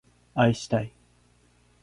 愛したい